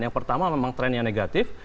yang pertama memang trennya negatif